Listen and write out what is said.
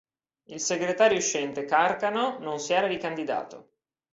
Il segretario uscente Carcano non si era ricandidato.